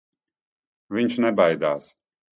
Viņš nebaidās.